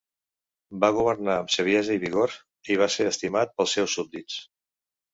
Va governar amb saviesa i vigor i va ser estimat pels seus súbdits.